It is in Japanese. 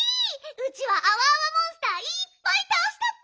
ウチはアワアワモンスターいっぱいたおしたッピ！